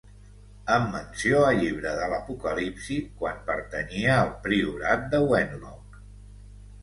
Amb menció a llibre de l'Apocalipsi, quan pertanyia al priorat de Wenlock.